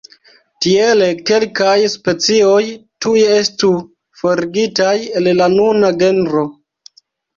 Tiele, kelkaj specioj tuj estu forigitaj el la nuna genro.